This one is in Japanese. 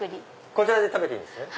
こちらで食べていいんですね。